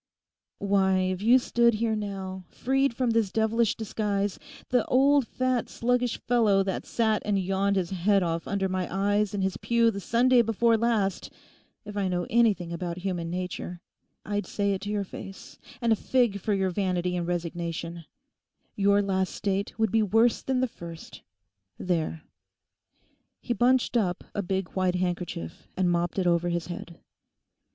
Why, if you stood here now, freed from this devilish disguise, the old, fat, sluggish fellow that sat and yawned his head off under my eyes in his pew the Sunday before last, if I know anything about human nature I'd say it to your face, and a fig for your vanity and resignation—your last state would be worse than the first. There!' He bunched up a big white handkerchief and mopped it over his head.